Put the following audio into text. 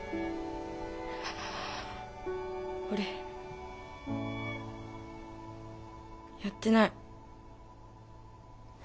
俺やってない。